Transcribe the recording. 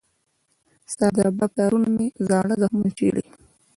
ستا د رباب تارونه مې زاړه زخمونه چېړي